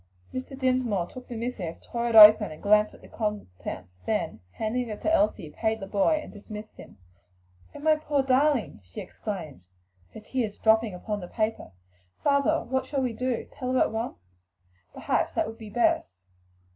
Mr. Dinsmore took the missive, tore it open and glanced at the contents, then, handing it to Elsie, paid the boy and dismissed him. "Oh, my poor darling!" she exclaimed, her tears dropping upon the paper. "Father, what shall we do? tell her at once? Perhaps that would be best."